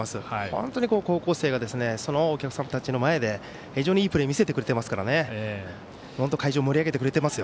本当に高校生がそのお客さんたちの前で非常にいいプレー見せてくれていますから会場を盛り上げてくれています。